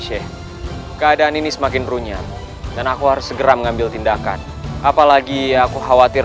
sheikh keadaan ini semakin runyam dan aku harus segera mengambil tindakan apalagi aku khawatir